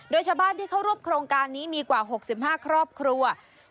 โดยชาวบ้านที่เข้าร่วมโครงการนี้มีกว่า๖๕ครอบครัว